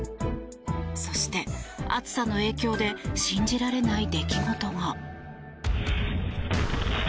そして、暑さの影響で信じられない出来事が。